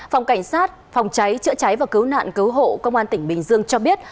phòng cảnh sát phòng cháy chữa cháy và cứu nạn cứu hộ công an tỉnh bình dương cho biết